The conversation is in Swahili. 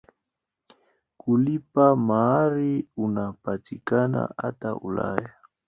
Kulipa mahari unapatikana hata Ulaya.